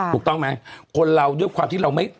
ถูกต้องไหมคนเราด้วยความที่เราไม่